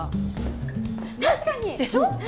確かに！でしょ？